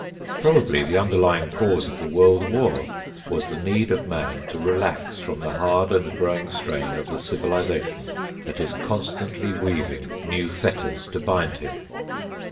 Probably the underlying cause of the world war was the need of man to relax from the hard and growing strain of the civilization that is continually weaving new fetters to bind him.